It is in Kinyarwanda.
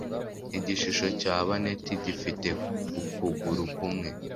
Igishusho cya baneti gifite ukuguru kumwe